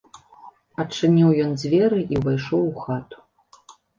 Адчыніў ён дзверы і ўвайшоў у хату.